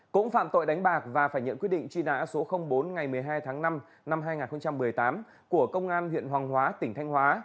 cũng phạm tội đánh bạc và phải nhận quyết định truy nã số bốn ngày một mươi hai tháng năm năm hai nghìn một mươi tám của công an huyện hoàng hóa tỉnh thanh hóa